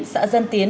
xã dân tiến